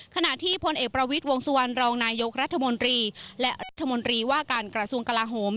ขณะที่พลเอกประวิทย์วงสุวรรณรองนายกรัฐมนตรีและรัฐมนตรีว่าการกระทรวงกลาโหม